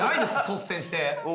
率先して。